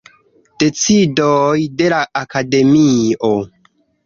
Decidoj de la Akademio.